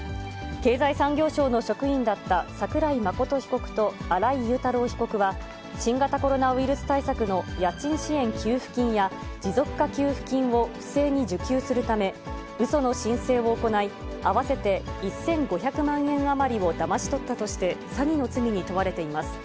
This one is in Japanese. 経済産業省の職員だった桜井真被告と、新井雄太郎被告は、新型コロナウイルス対策の家賃支援給付金や、持続化給付金を不正に受給するため、うその申請を行い、合わせて１５００万円余りをだまし取ったとして詐欺の罪に問われています。